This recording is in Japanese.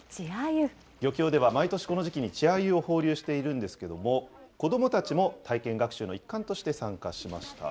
漁協では毎年この時期に稚あゆを放流しているんですけれども、子どもたちも体験学習の一環として参加しました。